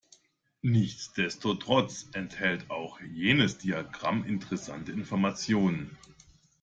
Nichtsdestotrotz enthält auch jenes Diagramm interessante Informationen.